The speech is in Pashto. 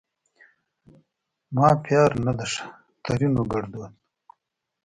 ما پیار نه ده ښه؛ ترينو ګړدود